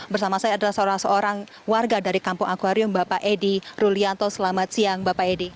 bersama saya adalah seorang seorang warga dari kampung akwarium bapak edi rulianto selamat siang bapak edi